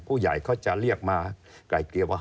ผู้ใหญ่เขาจะเรียกมาไกลเกลียว่า